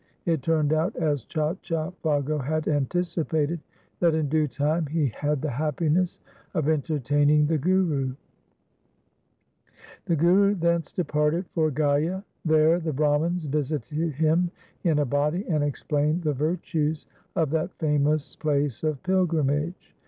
It turned out, as Chacha Phaggo had anticipated, that in due time he had the happi ness of entertaining the Guru. The Guru thence departed for Gaya. There the Brahmans visited him in a body, and explained the virtues of that famous place of pilgrimage.